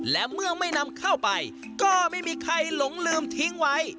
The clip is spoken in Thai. และเมื่อไม่นำเข้าไปก็ไม่มีใครหลงลืมทิ้งไว้